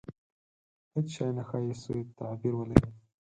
• هېڅ شی نه ښایي، سوء تعبیر ولري.